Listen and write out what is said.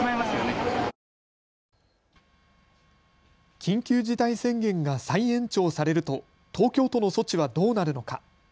緊急事態宣言が再延長されると東京都の措置はどうなるのか。